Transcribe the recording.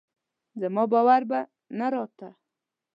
زما باور به نه راته